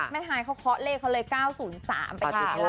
แม่ไห้เขาข็อกเลขเลย๙๐๓ไปแล้ว